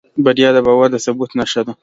بریا د باور د ثبوت نښه ده.